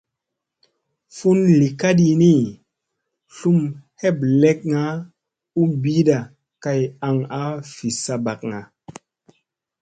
Fun li kaɗi ni, tlum heɓlekga u ɓiida kay aŋ a fi saɓakga.